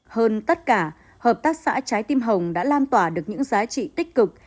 hơn tất cả hợp tác xã trái tim hồng đã lan tỏa được những giá trị tích cực